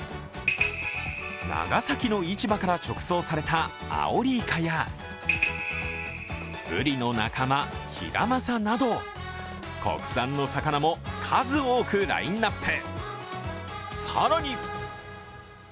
長崎の市場から直送されたアオリイカやブリの仲間ヒラマサなど国産の魚も数多くラインナップ。